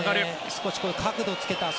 少し角度をつけた。